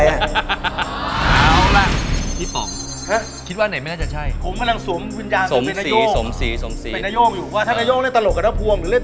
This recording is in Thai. กิเลนพยองครับ